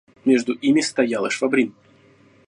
Между ими стоял и Швабрин.